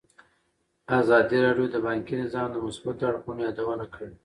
ازادي راډیو د بانکي نظام د مثبتو اړخونو یادونه کړې.